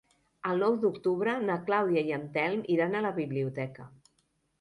El nou d'octubre na Clàudia i en Telm iran a la biblioteca.